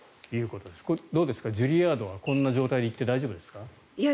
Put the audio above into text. これ、どうですかジュリアードはこんな状態で行って大丈夫なんですか？